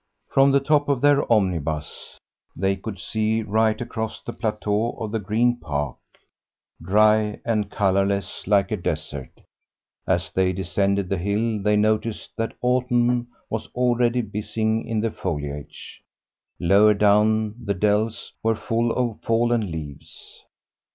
From the top of their omnibus they could see right across the plateau of the Green Park, dry and colourless like a desert; as they descended the hill they noticed that autumn was already busy in the foliage; lower down the dells were full of fallen leaves.